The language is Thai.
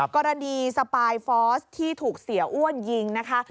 กรณีสปายฟอร์สที่ถูกเสียอ้วนยิงนะคะ